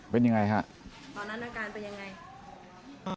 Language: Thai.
เป็นอย่างไรครับ